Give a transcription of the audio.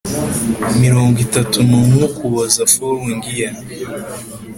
mirongo itatu n umwe Ukuboza following year